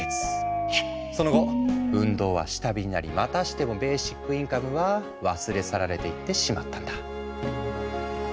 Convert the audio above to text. その後運動は下火になりまたしてもベーシックインカムは忘れ去られていってしまったんだ。